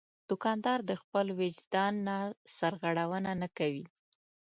دوکاندار د خپل وجدان نه سرغړونه نه کوي.